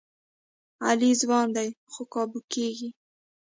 علي ځوان دی، خو قابو کېږي.